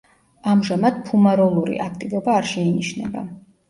ამჟამად ფუმაროლური აქტივობა არ შეინიშნება.